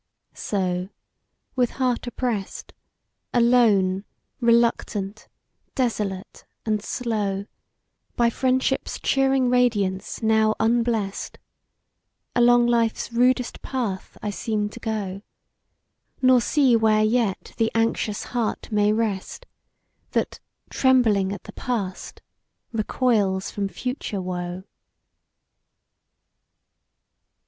So, with heart oppress'd, Alone, reluctant, desolate, and slow, By Friendship's cheering radiance now unblest, Along life's rudest path I seem to go; Nor see where yet the anxious heart may rest, That, trembling at the past recoils from future woe.